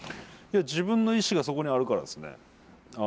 自分の意志がそこにあるからですね。